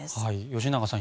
吉永さん